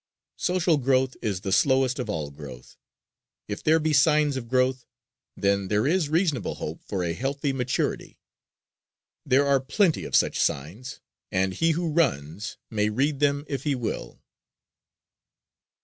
Social growth is the slowest of all growth. If there be signs of growth, then, there is reasonable hope for a healthy maturity. There are plenty of such signs, and he who runs may read them, if he will.